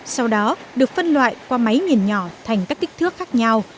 sau đó được phân loại qua máy nhìn nhỏ thành các kích thước khác nhau